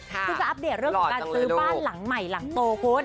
ซึ่งจะอัปเดตเรื่องของการซื้อบ้านหลังใหม่หลังโตคุณ